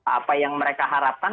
apa yang mereka harapkan